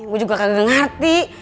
gue juga gak ngerti